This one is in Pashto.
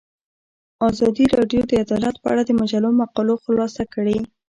ازادي راډیو د عدالت په اړه د مجلو مقالو خلاصه کړې.